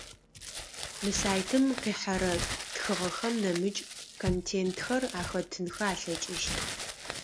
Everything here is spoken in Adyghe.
Мы сайтым къихьэрэ тхыгъэхэм нэмыкӏ контентхэр ахэтынхэ алъэкӏыщт.